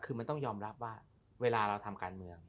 คือมันต้องยอมรับว่าเวลาเราทำการเมือง